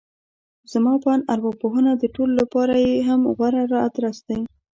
زما په اند ارواپوهنه د ټولو لپاره يې هم غوره ادرس دی.